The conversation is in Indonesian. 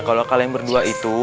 kalau kalian berdua itu